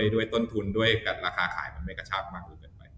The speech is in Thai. ด้วยต้นทุนด้วยราคาขายมันไม่กระชาปน์มากเกินไป